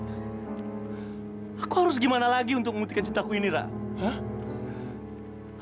aku harus gimana lagi untuk mengutipkan cintaku ini rah